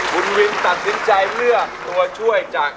คุณวินตัดสินใจเลือกตัวช่วยจาก